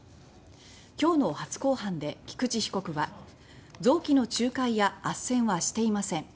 今日の初公判で菊池被告は「臓器の仲介やあっせんはしていません」